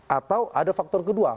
atau ada faktor kedua